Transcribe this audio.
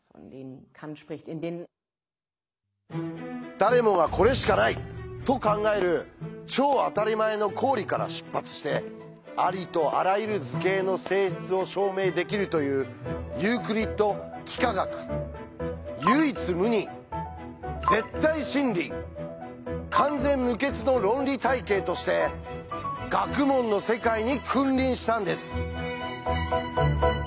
誰もが「これしかない」と考える超あたりまえの公理から出発してありとあらゆる図形の性質を証明できるというユークリッド幾何学。として学問の世界に君臨したんです。